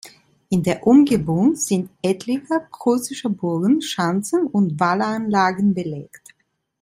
In der Umgebung sind etliche prußische Burgen, Schanzen und Wallanlagen belegt.